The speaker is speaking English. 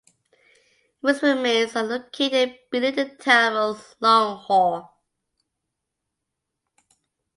Its remains are located beneath the town of Loughor.